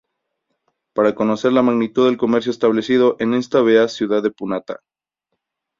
Para conocer la magnitud del comercio establecido en esta vea Ciudad de Punata.